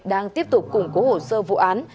đang tiếp tục củng cố hồ sơ vụ án